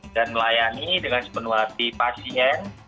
dan melayani dengan sepenuh hati pasien